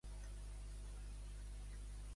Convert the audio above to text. Què són els Anradhs i els Ollamhs?